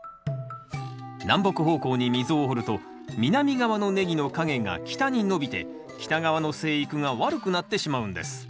南北方向に溝を掘ると南側のネギの影が北に伸びて北側の生育が悪くなってしまうんです。